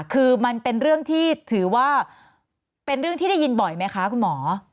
คือมันเป็นเรื่องที่ถือว่าเป็นเรื่องที่ได้ยินบ่อยไหมคะคุณหมอ